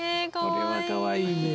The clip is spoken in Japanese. これはかわいいね。